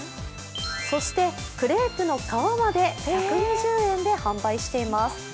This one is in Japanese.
そしてクレープの皮まで１２０円で販売しています。